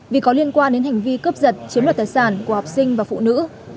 vì có liên quan đến hành vi cướp giật chiếm đoạt tài sản của học sinh và phụ nữ